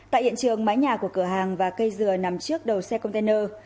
tại hiện trường mái nhà của cửa hàng và cây dừa nằm trước đầu xe container